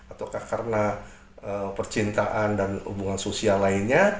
ataukah karena percintaan dan hubungan sosial lainnya